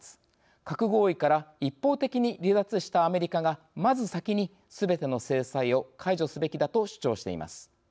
核合意から一方的に離脱したアメリカがまず先にすべての制裁を解除すべきだと主張しています。